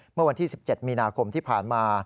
เมื่อวันที่๑๗มีนาคมที่ผ่านมา